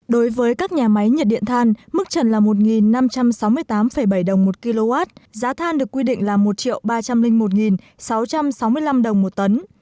đối với các nhà máy nhiệt điện than mức trần là một năm trăm sáu mươi tám bảy đồng một kw giá than được quy định là một ba trăm linh một sáu trăm sáu mươi năm đồng một tấn